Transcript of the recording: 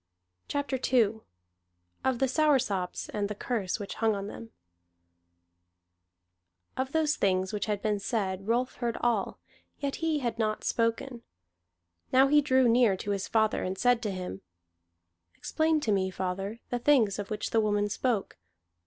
CHAPTER II OF THE SOURSOPS, AND THE CURSE WHICH HUNG ON THEM Of those things which had been said, Rolf heard all, yet he had not spoken. Now he drew near to his father, and said to him: "Explain to me, father, the things of which the woman spoke.